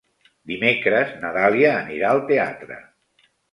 Dimecres na Dàlia anirà al teatre.